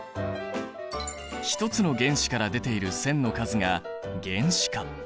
ひとつの原子から出ている線の数が原子価。